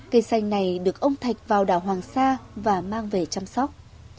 cây xanh này được ông thạch vào đảo hoàng sa và mang về chăm sóc